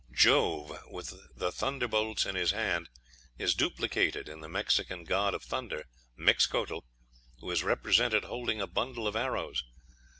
Jove, with the thunder bolts in his hand, is duplicated in the Mexican god of thunder, Mixcoatl, who is represented holding a bundle of arrows.